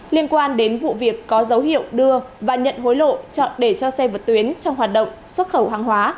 liên quan đến vụ việc có dấu hiệu đưa và nhận hối lộ chọn để cho xe vượt tuyến trong hoạt động xuất khẩu hàng hóa